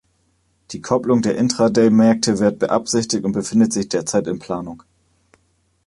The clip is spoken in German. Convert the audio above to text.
Die Kopplung der Intraday-Märkte wird beabsichtigt und befindet sich derzeit in Planung.